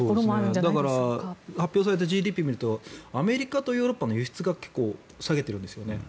だから発表されたＧＤＰを見るとアメリカとヨーロッパの輸出が結構下げてるんですよね。